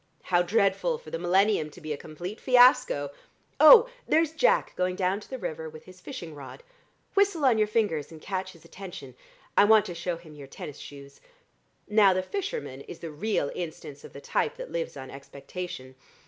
How dreadful for the millennium to be a complete fiasco! Oh, there's Jack going down to the river with his fishing rod. Whistle on your fingers and catch his attention. I want to show him your tennis shoes. Now, the fisherman is the real instance of the type that lives on expectation.